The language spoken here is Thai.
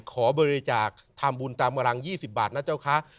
ขอบริจาคทำบุญตามรังยี่สิบบาทนะเจ้าขา